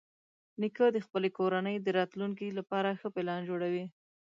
نیکه د خپلې کورنۍ د راتلونکي لپاره ښه پلان جوړوي.